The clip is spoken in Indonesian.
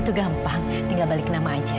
itu gampang tinggal balik nama aja